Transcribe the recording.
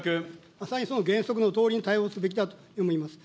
まさにその原則のとおりに対応すべきだと思います。